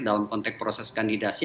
dalam konteks proses kandidasi